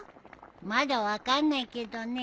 まだ分かんないけどね。